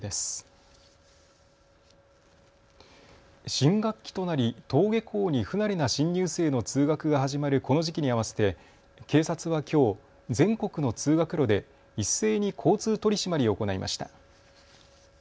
新学期となり登下校に不慣れな新入生の通学が始まるこの時期に合わせて警察はきょう全国の通学路で一斉に交通取締りを行いました。